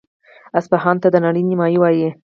اصفهان ته د نړۍ نیمایي وايي.